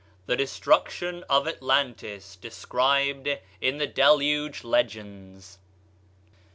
THE DESTRUCTION OF ATLANTIS DESCRIBED IN THE DELUGE LEGENDS.